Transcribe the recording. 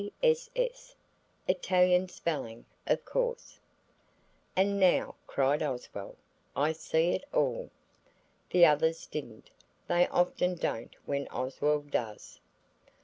"PSS.–Italian spelling, of course." "And now," cried Oswald, "I see it all." The others didn't. They often don't when Oswald does.